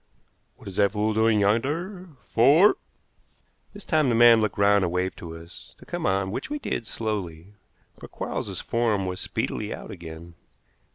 "What is that fool doing yonder? Fore!" This time the man looked round and waved to us to come on, which we did slowly, for Quarles's form was speedily out again.